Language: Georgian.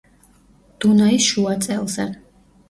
დუნაის შუა წელზე.